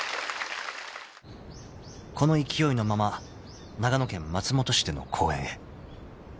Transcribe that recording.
［この勢いのまま長野県松本市での公演へ］